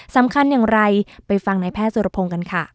สำคัญอย่างไรไปฟังนายแพทย์สุรพงศ์กันค่ะ